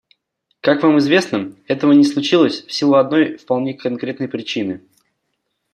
Как вам известно, этого не случилось в силу одной вполне конкретной причины.